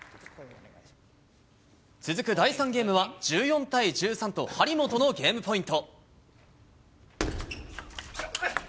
続く第３ゲームは、１４対１３と、張本のゲームポイント。